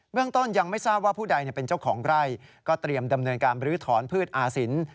เรื่องต้นยังไม่ทราบว่าผู้ใดเป็นเจ้าของไร่ก็เตรียมดำเนินการบรื้อถอนพืชอาศิลป์